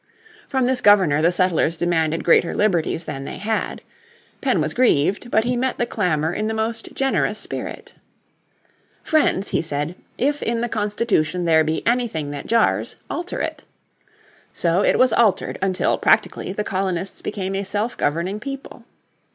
From this Governor the settlers demanded greater liberties than they had. Penn was grieved, but he met the clamour in the most generous spirit. "Friends," he said, "if in the constitution there be anything that jars, alter it." So it was altered until practically the colonists became a self governing people.